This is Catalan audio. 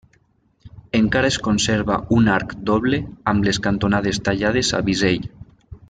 Encara es conserva un arc doble amb les cantonades tallades a bisell.